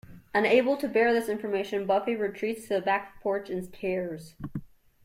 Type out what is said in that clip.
Unable to bear this information, Buffy retreats to the back porch in tears.